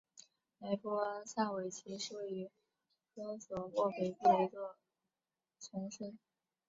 莱波萨维奇是位于科索沃北部的一座城市。